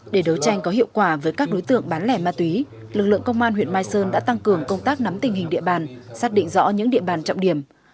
để đấu tranh có hiệu quả với các đối tượng bán lẻ ma túy lực lượng công an huyện mai sơn đã tăng cường công tác nắm tình hình địa bàn xác định rõ những địa bàn trọng điểm